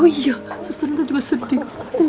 oh iya suster itu juga sedih